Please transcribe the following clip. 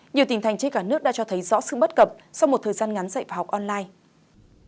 nhiều tỉnh thành trên cả nước đã cho thấy rõ sự bất cập sau một thời gian ngắn dạy và học online